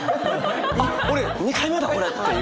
あっ俺２回目だこれ！っていう。